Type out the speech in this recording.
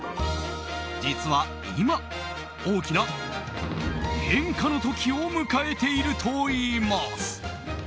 実は今、大きな変化の時を迎えているといいます。